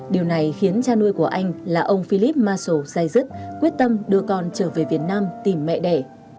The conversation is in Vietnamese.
điều này khiến cha nuôi của anh là ông philip maso sai dứt quyết tâm đưa con trở về việt nam tìm mẹ đẻ